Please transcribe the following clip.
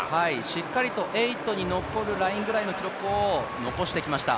しっかりと８に残るラインぐらいの記録を残してきました。